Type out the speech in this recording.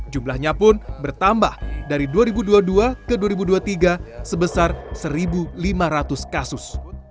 jumlahnya pun bertambah dari dua ribu dua puluh dua ke dua ribu dua puluh tiga sebesar satu lima ratus kasus